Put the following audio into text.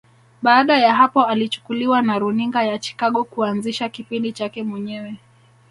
Baada ya hapo alichukuliwa na Runinga ya Chicago kuanzisha kipindi chake mwenyewe